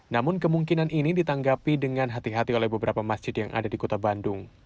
namun kemungkinan ini ditanggapi dengan hati hati oleh beberapa masjid yang ada di kota bandung